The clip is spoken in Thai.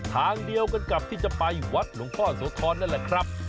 ทางเดียวกันกับที่จะไปวัดลงพ่อสธรนครับ